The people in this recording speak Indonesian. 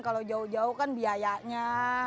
kalau jauh jauh kan biayanya